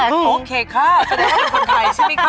โอเคค่ะจะได้ว่าเป็นคนไทยใช่ไหมคะ